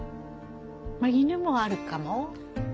まあ犬もあるかも？